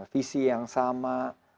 visi yang sama